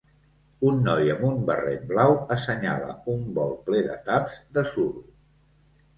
Un noi amb un barret blau assenyala un bol ple de taps de suro.